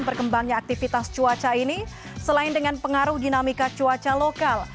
berkembangnya aktivitas cuaca ini selain dengan pengaruh dinamika cuaca lokal